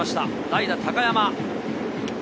代打・高山。